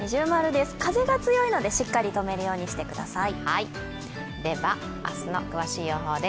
風が強いのでしっかりとめるようにしてください。